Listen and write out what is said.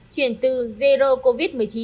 chuyển từ zero covid một mươi chín